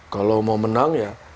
kalau mau menang ya